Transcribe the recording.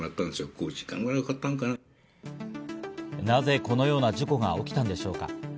なぜこのような事故が起きたのでしょうか。